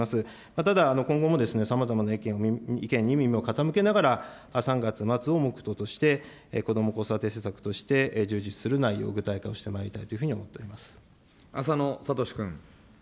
ただ、今後もさまざまな意見に耳を傾けながら、３月末を目途として、こども・子育て施策として充実する内容、具体化をしてまいりたい浅野哲君。